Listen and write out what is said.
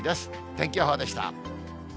天気予報でした。